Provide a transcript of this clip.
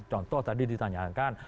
contoh tadi ditanyakan